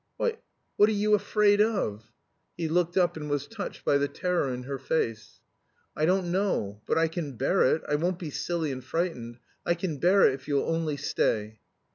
"Why, what are you afraid of?" He looked up and was touched by the terror in her face. "I don't know. But I can bear it I won't be silly and frightened I can bear it if you'll only stay."